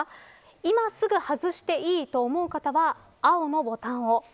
今すぐ外していいと思う方は青のボタンを。